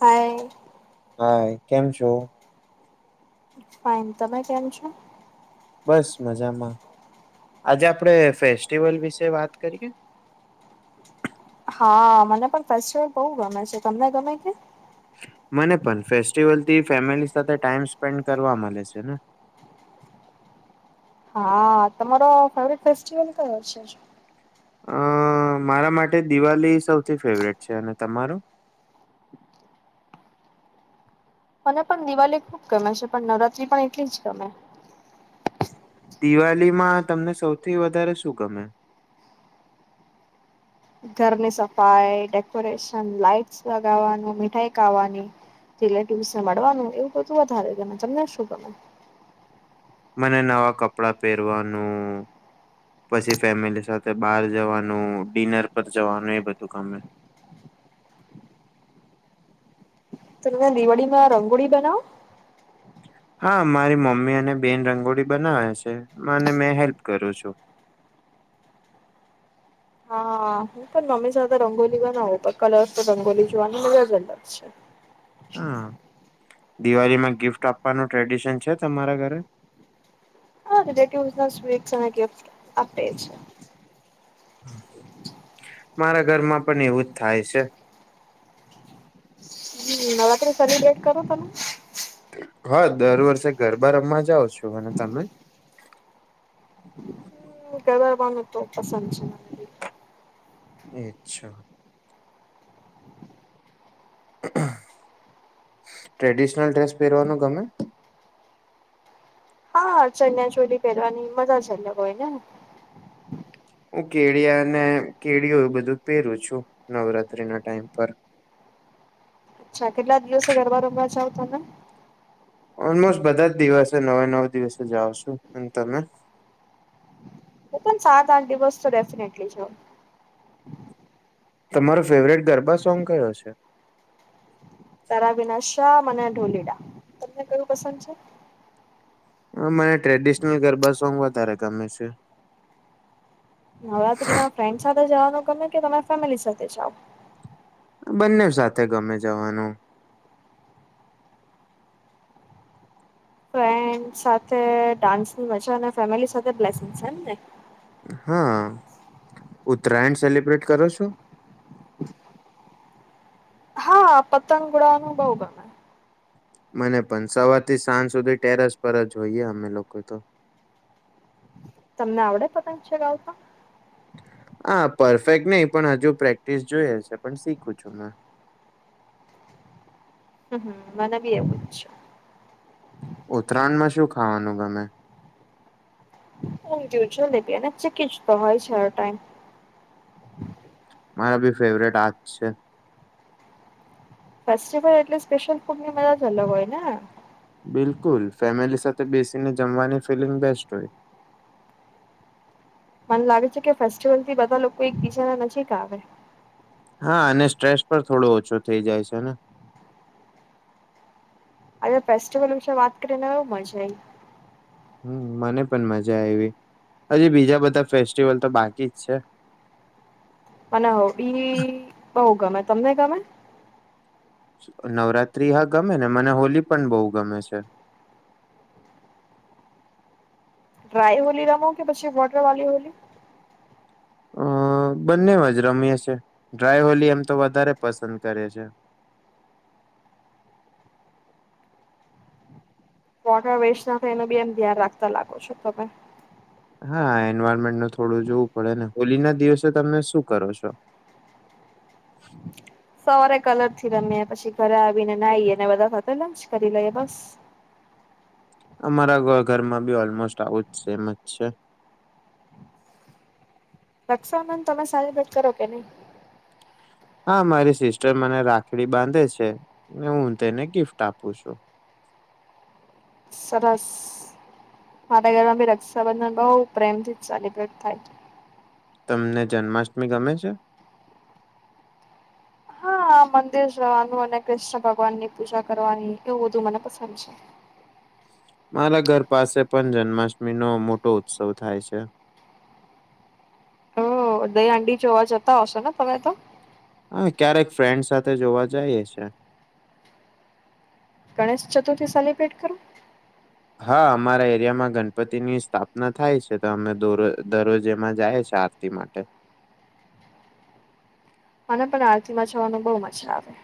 By. Hi, કેમ છો? Fine, તમે કેમ છો? બસ મજામાં. આજે આપડે ફેસ્ટિવલ વિશે વાત કરીએ. હા, મને પણ ફેસ્ટિવલ બહુ ગમે છે, તમને ગમે કે? મને પણ ફેસ્ટિવલ થી ફેમિલી સાથે ટાઈમ સ્પેન્ડ કરવા મળે છે ને. હા, તમારો ફેવરીટ ફેસ્ટિવલ કયો છે? અ મારા માટે દિવાળી સૌથી ફેવરેટ છે, અને તમારો? મને પણ દિવાળી ખુબ ગમે છે, પણ નવરાત્રી પણ એટલી જ ગમે. દિવાલીમાં તમને સૌથી વધારે શું ગમે? ઘરની સફાઈ, ડેકોરેશન, લાઈટ્સ લગાવાનું, મીઠાઈ ખાવાની. રિલેટિવ્સને મળવાનું, એવું બધું વધારે ગમે. તમને શું ગમે? મને નવા કપડાં પેરવાનું. પછી ફેમિલી સાથે બાર જવાનું, ડિનર પર જવાનું એ બધું ગમે. તમને દિવાળીમાં રંગોળી બનાવે? હા, મારી મમ્મી અને બેન રંગોળી બનાવે છે, મને મેં હેલ્પ કરું છું. હા, હું પણ મમ્મી સાથે રંગોલી બનાવું, કલર્સ તો રંગોલી જોવાની મજા જ અલગ છે. હા, દિવાળીમાં ગિફ્ટ આપવાનું ટ્રેડિશન છે તમારા ઘરે? હા, રિલેટિવ્સ ને સ્વીટ્સ અને ગિફ્ટ્સ આપે છે. મારા ઘરમાં પણ એવું જ થાય છે. હમ, નવરાત્રી સેલિબ્રેટ કરો તમે? હા, હું દર વર્ષે ગરબા રમવા જાઉં છું. અને તમે? હ, ગરબાનું તો પસંદ છે. મને અરછા. ટ્રેડિશનલ ડ્રેસ પેરવાનો ગમે? હા, ચનિયા-ચોલી પેરવાની મજા જ અલગ હોય ને! હું કેળિયા ને, કેળિયો એવું બધું પેરું છું, નવરાત્રીના ટાઈમ પર. અચ્છા, કેટલા દિવસે ગરબા રમવા જાવ તમે? ઓલમોસ્ટ બધા જ દિવસે નવે નવ દિવસે જાઉં છું, અને તમે? હું પણ સાત-આઠ દિવસ તો, ડેફિનેટલી જાઉં. તમારો ફેવરેટ ગરબા સોંગ કયો છે? તારા વિના શ્યામ અને ઢોલીડા, તમને કયું પસંદ છે? હ, મને ટ્રેડિશનલ ગરબા સોંગ વધારે ગમે છે. નવરાત્રીમાં ફ્રેન્ડ્સ સાથે જાવાનું ગમે કે, તમે ફેમિલી સાથે જાવ? બંનેવ સાથે ગમે જવાનું. ફ્રેન્ડ્સ સાથે ડાન્સની મજા ને, ફેમિલી સાથે બ્લેસિંગ્સ એમ ને! હા, ઉત્તરાયણ સેલિબ્રેટ કરો છો? હા, પતંગ ઉડાવાનું બોઉ ગમે. મને પણ સવારથી સાંજ સુધી ટેરસ પર જ હોઈએ, અમે લોકો તો. તમને આવડે પંતગ ચગાવતા? હા, પરફેક્ટ નહી પણ, હજુ પ્રેક્ટિસ જોઈએ છે, પણ શીખું છું મેં. હમ, હમ, મને બી એવું જ છે. ઉત્તરાયણમાં શું ખાવાનું ગમે? ઉંધિયું, જલેબી અને ચીક્કી જ તો હોય છે, ટાઈમ મારા બી ફેવરેટ આ જ છે. ફેસ્ટિવલ એટલે સ્પેશિયલ ફૂડની મજા જ અલગ હોય ને. બિલકુલ, ફેમિલી સાથે બેસીને જમવાની ફિલિંગ બેસ્ટ ઓય. મને લાગે છે કે, ફેસ્ટિવલથી બધા લોકો એકબીજાના નજીક આવે. હા, અને સ્ટ્રેસ પણ થોડો ઓછો થેઇ જાય છે ને. હવે ફેસ્ટિવલ વિશે વાત કરી ને, હવે મજા આઇ. હમ, મને પણ મજા આયવી, હજી બીજા બધા ફેસ્ટિવલ તો બાકી જ છે. મને હોડી બી બોઉ ગમે. તમને ગમે? શું નવરાત્રી? હા ગમે ને, મને હોલી પણ બઉ ગમે છે. ડ્રાય હોલી રમો કે, પછી વોટરવાલી હોલી? અ બંનેવ જ રમીએ છીએ, ડ્રાય હોલી એમ તો વધારે પસંદ કરીએ છે. વોટર વેસ્ટ ના થાય, એનું બી એમ ધ્યાન રાખતા લાગો છો તમે. હા, એન્વાયરમેન્ટનું થોડું જોવું પડે ને, હોલીના દિવસે તમે શું કરો છો? સવારે કલરથી રમીએ, પછી ઘરે આવીને નાઈને બધા સાથે લંચ કરી લઈએ, બસ. અમારા ઘરમાં બી ઓલમોસ્ટ આવું જ સેમ જ છે. તમે સેલિબ્રેટ કરો કે નઈ? હા, મારી સિસ્ટર મને રાખડી બાંધે છે, અને હું તેને ગિફ્ટ આપું છું. સરસ મારે ઘરમાં બી રક્ષાબંધન બોઉ પ્રેમથી સેલિબ્રેટ થાય. તમને જન્માષ્ટમી ગમે છે? હા મંદિર જવાનું, અને કૃષ્ણ ભગવાનની પૂજા કરવાની, એવું બધું મને પસંદ છે. મારા ઘર પાસે પણ જન્માષ્ટમી નો મોટો ઉત્સવ થાય છે. ઓ જોવા જતા હશો ને, તમે તો? હા, ક્યારેક ફ્રેન્ડ સાથે જોવા જાઈએ છે. ગણેશ ચતુર્થી સેલિબ્રેટ કરો? હા, અમારે એરિયામાં ગણપતિની સ્થાપના થાય છે, તો અમે દરરોજ એમાં જાઈએ છે, આ તિ માટે. મને પણ આરતીમાં જવાનું બોઉ મજા આવે.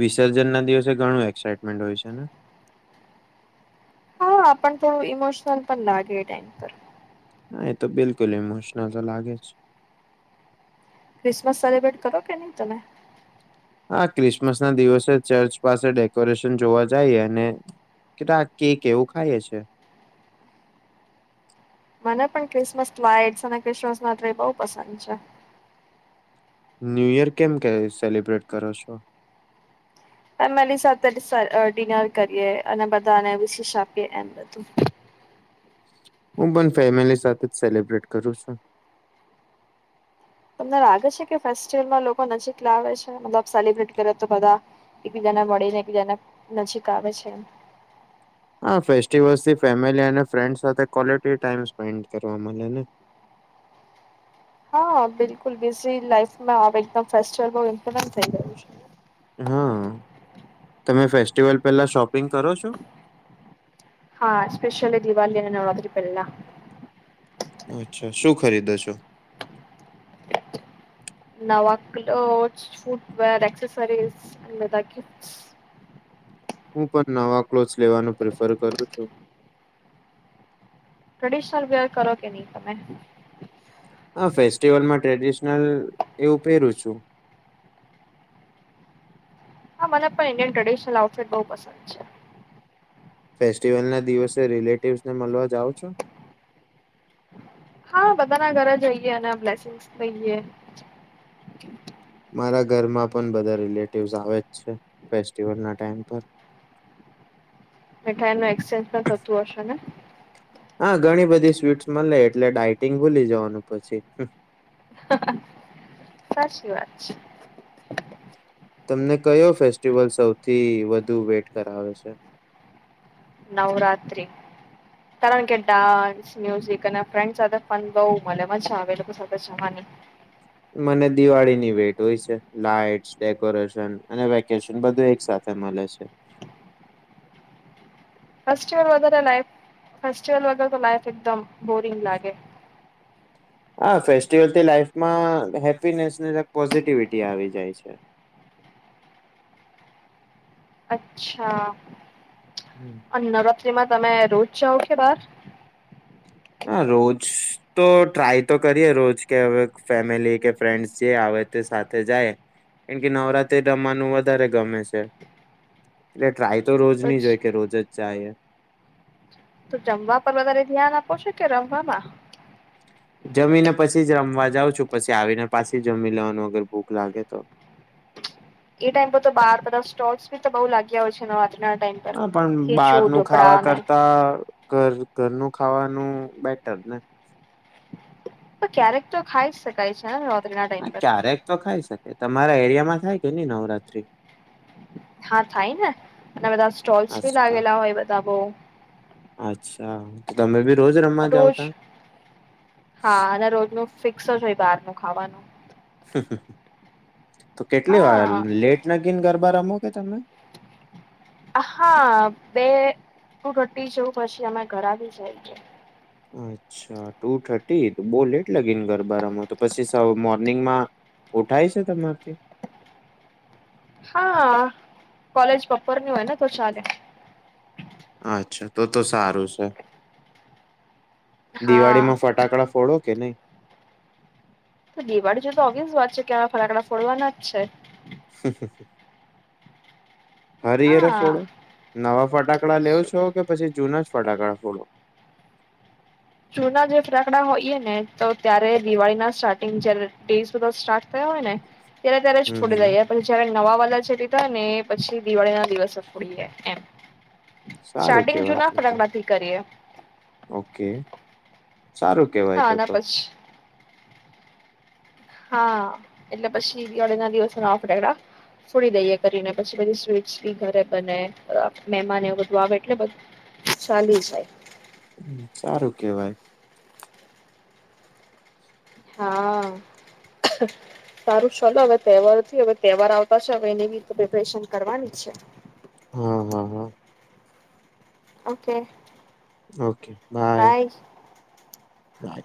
વિસર્જન ના દિવસે ઘણું એક્સાઈટમેન્ટ હોય છે ને? હા, પણ થોડું ઈમોશનલ પણ લાગે ટાઈમ પર. એ તો બિલકુલ, ઈમોશનલ તો લાગે જ. ક્રિસમસ સેલિબ્રેટ કરો કે નઈ તમે? હા, ક્રિસમસ ના દિવસે ચર્ચ પાસે ડેકોરેશન જોવા જાઈએ, અને એવું ખાઈએ છે. મને પણ ક્રિસમસમા, અને ક્રિસમસમા તે બોઉ પસંદ છે. ન્યૂયર કેમ તમે સેલિબ્રેટ કરો છો? ફેમલી સાથે ડિનર કરીએ, અને બધાને વિશેષ આપીએ એમ બધું. હું પણ ફેમલી સાથે જ સેલિબ્રેટ કરું છું. તમને લાગે છે કે, ફેસ્ટિવલમાં લોકો નજીક લાવે છે, મતલબ સેલિબ્રેટ કરે તો બધા. એકબીજાને મળીને, એકબીજાના નજીક આવે છે એમ. હા ફેસ્ટિવલથી ફેમલી અને ફ્રેન્ડ સાથે કોલટી ટાઈમ સ્પેન્ડ કરવા મલે ને. હા બિલકુલ બિઝી લાાઈફમાં અવે એકદમ ફેસ્ટિવલ બૌ ઈમ્પોર્ટન્ટ થઇ ગયો હા તમે ફેસ્ટિવલ પેલા શોપિંગ કરો છો? હા સ્પેશયલી દિવાળી અને નવરાત્રી પેલા. અચ્છા શું ખરીદો છો? [unintelligible] હું પણ નવા ક્લોથસ લેવાનું પ્રિફર કરું છું. ટ્રેડિશનલ વેર કરો કે ની તમે? હા ફેસ્ટિવલમાં ટ્રેડિશનલ એવું પેરું છું. હા મને પણ ઇન્ડિયન ટ્રેડિશનલ આઉટફિટ બોઉ પસંદ છે. ફેસ્ટિવલના દિવસે રિલેટિવસ ને મલવા જાવ છો? હા બધાના ઘરે જઈએ અને બ્લેસિંગસ લઈએ. મારા ઘરમાં પણ બધા રિલેટિવસ આવે જ છે ફેસ્ટિવલના ટાઈમ પર. મીઠાઈ નો એક્સચેન્જ પણ થતું હશે ને? હા ઘણી બધી સ્વીટસ મલે એટલે ડાયટિંગ ભૂલી જવાનું પછી. સાચી વાત છે. તમને કયો ફેસ્ટિવલ સૌથી વધુ વેટ કરાવે છે? નવરાત્રિ કારણ કે ડાન મ્યુઝિક અને ફ્રેન્ડ સાથે પણ બઉ મને મજા આવે એ લોકો સાથે જવાની. મને દિવાળીની વેટ હોય છે લાઈટ ડેકોરેશન અને વેકેશન બધું એક સા મલે છે. [unintelligible] તો લાઈફ એકદમ બોરિંગ લાગે. હા ફેસ્ટિવલથી લાઈફમાં હેપીનેશન અને પોઝિટિવિટી આવી જાય છે. અચ્છા. હમ અને નવરાત્રીમાં તમે રોજ જાઓ કે બાર? હા રોજ તો ટ્રાય તો કરીએ રોજ કે હવે ફેમિલી કે ફ્રેન્ડસ જે આવે તે સાથે જાયે કેમ કે નવરાત્રી રમવાનું વધારે ગમે છે એટલે ટ્રાય તો રોજ ની જ હોય કે રોજ જ જાયે તો જમવા પર વધારે ધ્યાન આપો છે કે રમવામાં જમીને પછી જ રમવા જઉં છું પછી આવીને પાછી જમી લેવાનું અગર ભૂખ લાગે તો એ ટાઈમ પર તો બાર બધા સ્ટોલ્સ બી તો બઉ લાગ્યા હોય છે નવરાત્રીના ટાઈમ પર હા પણ ખીચું બારનું ઢોકળા ખાવા અને કરતા ઘર ઘરનું ખાવાનું બેટર ને તો ક્યારેક તો ખાઈ શક કાય છે [unintelligible] હા ક્યારેક તો ખાઈ શકે તમારા એરિયામાં થાય કે ની નવરાત્રી હા થાય ને અને બધા સ્ટોલ્સ ભી અચ્છા લાગેલા હોય બધા બો અચ્છા તો તમે બી રોજ રમવા જાઓ રોજ તા હા અને રોજનું ફિક્સ જ હોય બાર નું ખાવાનું તો કેટલી વાર હા લેટ નાગીને ગરબા રમો કે તમે હા બે ટુ થર્ટી જેવું પછી અમે ઘર આવી છે અચ્છા ટુ થર્ટી બો લેટ લાગી ને ગરબારમાં તો પછી મોર્નિંગમાં ઉઠાય છે તમારથી હા કોલેજ બપોરની હોય ને તો ચાલે. અચ્છા તો તો સારું છે દિવાળી હા માં ફટાકડા ફોડો? કે નહી. તો દિવાળી જો તો ઓબિસ વાત છે કે હવે ફટાકડા ફોડવાના જ છે. હર યરે હા ફોડો? નવા ફટાકડા લેવ છો કે પછી જૂના જ ફટાકડા ફોડો? જુના જે ફટાકડા હોઈએ ને તો ત્યારે દિવાળી ના સ્ટાર્ટિંગ જયારે ડેઝ બધા સ્ટાર્ટ થયા હોય ને ત્યારે ત્યારે જ હમ ફોડી હમ લઈએ. પછી જયારે નવા વાલા જે લીધા ને પછી દિવાળી ના દિવસો ફોડીએ એમ. સારું સ્ટાર્ટિંગ કેવાય જુના તો તો ફટાકડાથી કરીએ. ઓકે સારું કેવાય હા તો આના તો પછી હા એટલે પછી દિવાળી ના દિવસે નવા ફટાકડા ફોડી દઈએ કરીને પછી બધી સ્વીટસ બી ઘરે બને મહેમાન ને એવું બધું આવે એટલે બધું ચાલ્યું જાય. સારું કેવાય. હા [unintelligible] સારું ચોલો હવે તહેવાર થી હવે તહેવાર આવતા છે હવે એની પ્રિપરેશન કરવાની છે. હમ હા હા ઓકે ઓકે બાય. બાય